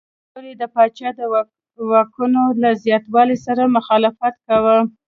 غړو یې د پاچا د واکونو له زیاتوالي سره مخالفت کاوه.